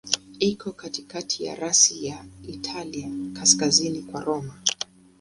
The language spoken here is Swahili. Iko katikati ya rasi ya Italia, kaskazini kwa Roma.